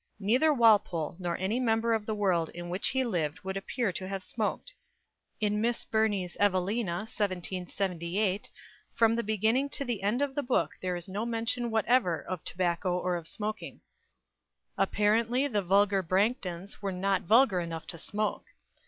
Neither Walpole nor any member of the world in which he lived would appear to have smoked. In Miss Burney's "Evelina," 1778, from the beginning to the end of the book there is no mention whatever of tobacco or of smoking. Apparently the vulgar Branghtons were not vulgar enough to smoke.